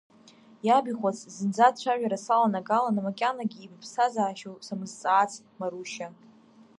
Иабихәац, зынӡа ацәажәара саланагалан, макьанагьы ибыԥсҭазаашьоу самызҵаац, Марушьа!